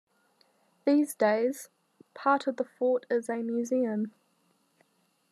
These days, part of the fort is a museum.